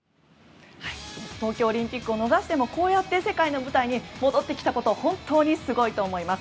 東京オリンピックを逃してもこうやって世界の舞台に戻ってきたこと本当にすごいと思います。